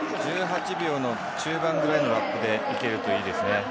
１８秒の中盤ぐらいのラップでいけるといいですね。